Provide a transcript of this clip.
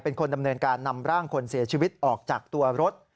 เป็นคนดำเนินการนำร่างคนเสียชีวิตออกจากตัวรถ